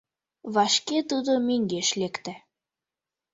Вашке тудо мӧҥгеш лекте.